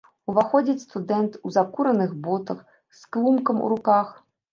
Уваходзіць студэнт у закураных ботах, з клумкам у руках.